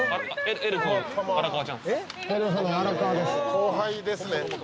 「後輩ですね」